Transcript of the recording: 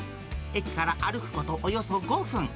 駅から歩くことおよそ５分。